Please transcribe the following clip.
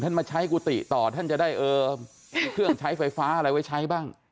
มาใช้กุฏิต่อท่านจะได้เครื่องใช้ไฟฟ้าอะไรไว้ใช้บ้าง